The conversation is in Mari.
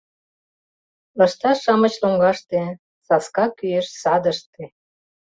Лышташ-шамыч лоҥгаште Саска кӱэш садыште.